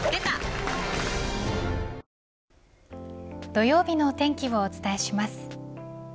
土曜日のお天気をお伝えします。